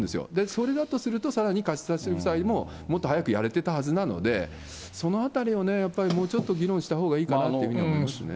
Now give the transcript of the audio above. それだとすると、さらに仮差し押さえももっと早くやれてたはずなので、そのあたりも、もうちょっと議論したほうがいいかなって思いますね。